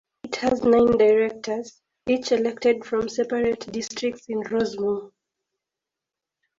It has nine directors, each elected from separate districts in Rossmoor.